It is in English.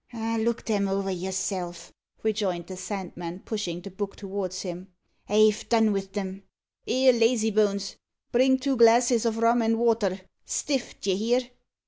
"Look 'em over yourself," rejoined the Sandman, pushing the book towards him. "I've done wi' 'em. Here, lazy bones, bring two glasses o' rum and water stiff, d'ye hear?"